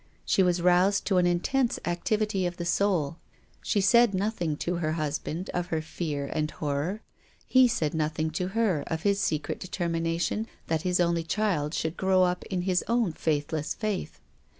She was roused to an intense activity of the soul. She said nothing to her husband of her fear and horror. He said nothing to her of his secret determination that his only child should grow up in his own faithless faith.